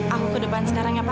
aku ke depan sederhanya pak